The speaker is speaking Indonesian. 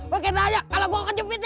pakai tanya kalau gua angkat jepit nih